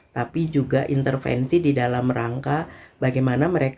tapi juga intervensi di dalam rangka bagaimana mereka